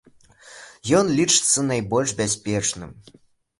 Ён лічыцца найбольш бяспечным.